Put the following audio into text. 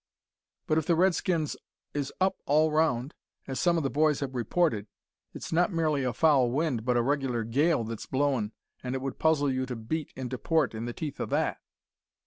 "But if the Redskins is up all round, as some o' the boys have reported, it's not merely a foul wind but a regular gale that's blowin', an' it would puzzle you to beat into port in the teeth o' that."